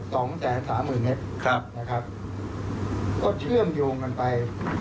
สองแสนสามหมื่นเมตรครับนะครับก็เชื่อมโยงกันไป